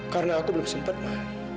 karena aku belum sempat ma